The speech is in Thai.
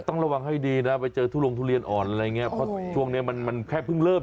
ต้องระวังให้ดีนะไปเจอทุลงทุเรียนอ่อนอะไรอย่างเงี้ยเพราะช่วงนี้มันแค่เพิ่งเริ่ม